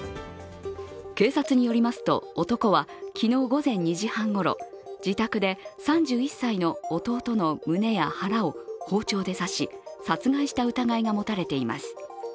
警察によりますと、男は昨日午前２時半ごろ、自宅で３１歳の弟の胸や腹を包丁で刺し、殺害した疑いが持たれています。